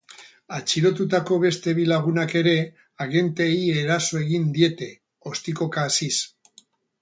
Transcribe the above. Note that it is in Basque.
Atxilotutako beste bi lagunak ere agenteei eraso egin diete, ostikoka hasiz.